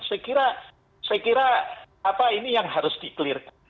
saya kira saya kira apa ini yang harus di clear kan